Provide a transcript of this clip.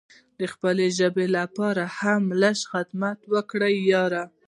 د خپلې ژبې لپاره هم لږ څه خدمت وکړه یاره!